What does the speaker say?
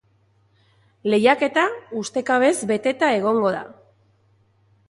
Lehiaketa ustekabez beteta egongo da.